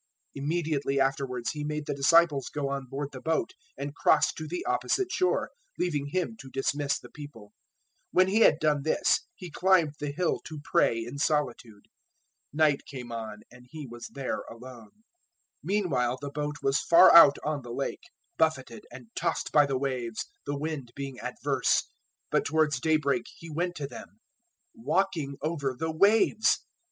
014:022 Immediately afterwards He made the disciples go on board the boat and cross to the opposite shore, leaving Him to dismiss the people. 014:023 When He had done this, He climbed the hill to pray in solitude. Night came on, and he was there alone. 014:024 Meanwhile the boat was far out on the Lake, buffeted and tossed by the waves, the wind being adverse. 014:025 But towards daybreak He went to them, walking over the waves.